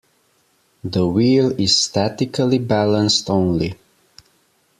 The wheel is statically balanced only.